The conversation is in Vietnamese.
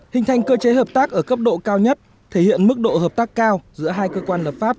hình thành cơ chế hợp tác ở cấp độ cao nhất thể hiện mức độ hợp tác cao giữa hai cơ quan lập pháp